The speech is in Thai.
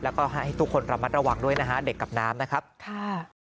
แล้วก็ให้ทุกคนระมัดระวังด้วยนะฮะเด็กกับน้ำนะครับค่ะ